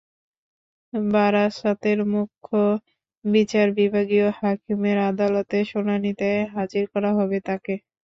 বারাসাতের মুখ্য বিচার বিভাগীয় হাকিমের আদালতে শুনানিতে হাজির করা হবে তাঁকে।